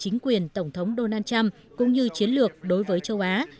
chính quyền tổng thống donald trump cũng như chiến lược đối với châu á